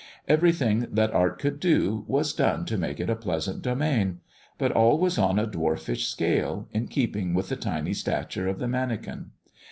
Everything that art could do, was done to make it a pleasant domain ; but all was on a dwarfish scale, in keeping with the tiny stature of the manikin.